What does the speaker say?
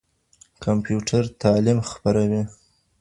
کمپيوټر تعليم خپروي.